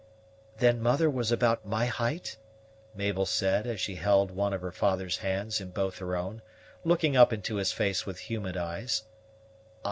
"Then mother was about my height?" Mabel said, as she held one of her father's hands in both her own, looking up into his face with humid eyes.